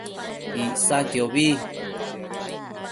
Icsaquiobi